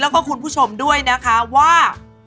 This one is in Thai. แล้วก็คุณผู้ชมด้วยนะคะว่า